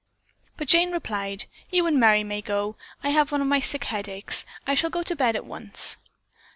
But Jane replied, "You and Merry may go. I have one of my sick headaches. I shall go to bed at once."